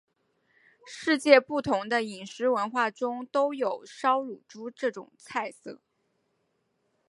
世界不同的饮食文化中都有烧乳猪这种菜色。